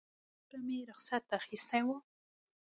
له کوره مو رخصت اخیستی و.